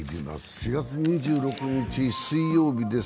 ４月２６日水曜日です。